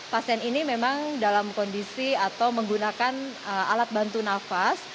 pasien ini memang dalam kondisi atau menggunakan alat bantu nafas